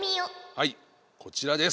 はいこちらです。